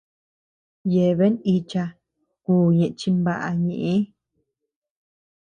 Yeabean icha kú ñeʼe chinbaʼa ñeʼë.